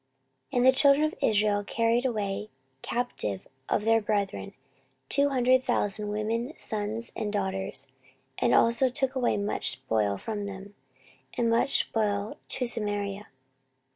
14:028:008 And the children of Israel carried away captive of their brethren two hundred thousand, women, sons, and daughters, and took also away much spoil from them, and brought the spoil to Samaria.